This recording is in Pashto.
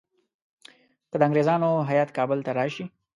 که د انګریزانو هیات کابل ته راشي.